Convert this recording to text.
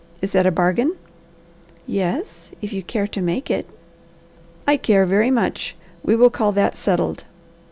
Is it a bargain?" "Yes, if you care to make it." "I care very much. We will call that settled."